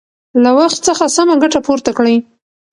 له وخت څخه سمه ګټه پورته کړئ.